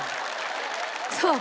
そう。